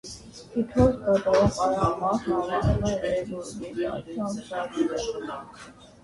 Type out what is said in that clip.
Հետհոսք կատարող արյան մասն անվանում են ռեգուրգիտացիոն ֆրակցիա։